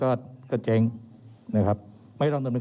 เรามีการปิดบันทึกจับกลุ่มเขาหรือหลังเกิดเหตุแล้วเนี่ย